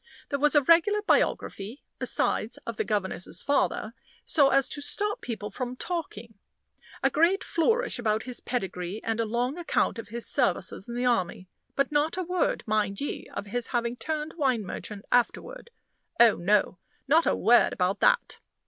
There was a regular biography, besides, of the governess's father, so as to stop people from talking a great flourish about his pedigree, and a long account of his services in the army; but not a word, mind ye, of his having turned wine merchant afterward. Oh, no not a word about that!